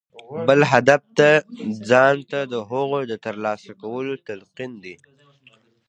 بل هدف ځان ته د هغو د ترلاسه کولو تلقين دی.